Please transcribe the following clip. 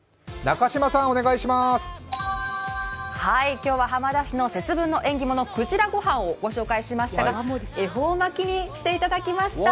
今日は浜田市の節分の縁起物くじらご飯をご紹介しましたが、恵方巻にしていただきました。